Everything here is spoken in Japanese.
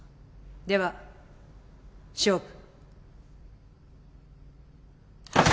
では勝負。